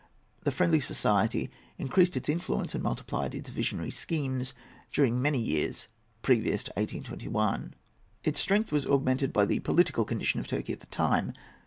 The Friendly Society increased its influence and multiplied its visionary schemes during many years previous to 1821. Its strength was augmented by the political condition of Turkey at the time.